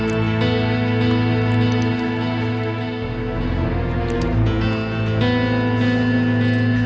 semarang semarang semarang